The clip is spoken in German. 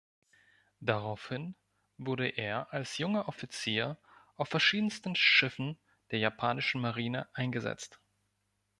Daraufhin wurde er als junger Offizier auf verschiedensten Schiffen der japanischen Marine eingesetzt.